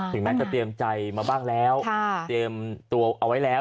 แม้จะเตรียมใจมาบ้างแล้วเตรียมตัวเอาไว้แล้ว